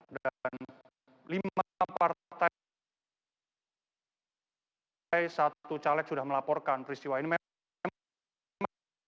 dan lima partai satu caleg sudah melaporkan peristiwa ini